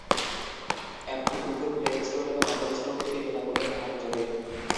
অ্যাপটি Google play store এবং Apple store থেকে বিনা মূল্যে নামানো যাবে।